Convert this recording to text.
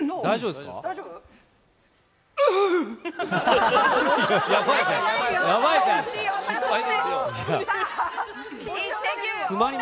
大丈夫ですか？